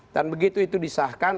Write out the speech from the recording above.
dan begitu itu disahkan